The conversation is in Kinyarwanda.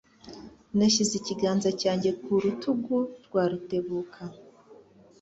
Nashyize ikiganza cyanjye ku rutugu rwa Rutebuka.